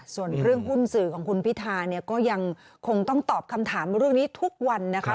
ส่วนเรื่องหุ้นสื่อของคุณพิธาเนี่ยก็ยังคงต้องตอบคำถามเรื่องนี้ทุกวันนะคะ